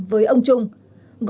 với ông trung